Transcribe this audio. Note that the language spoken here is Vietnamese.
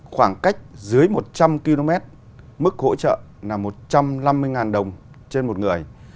khoảng cách dưới một trăm linh km mức hỗ trợ là một trăm năm mươi đồng trên một người